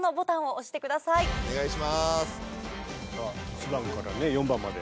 １番からね４番まで。